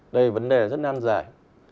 đây vấn đề rất nan giải